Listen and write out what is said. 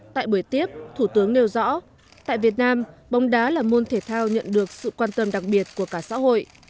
tại buổi tiếp thủ tướng nêu rõ tại việt nam bóng đá là môn thể thao nhận được sự quan tâm đặc biệt của cả xã hội